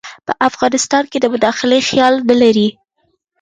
په افغانستان کې د مداخلې خیال نه لري.